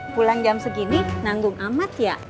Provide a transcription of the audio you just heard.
pulang jam segini nanggung amat ya